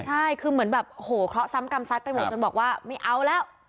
ใช่คือคอซ้ำกำซัดทั่นไปหมดบอกว่าไม่เอาแล้ว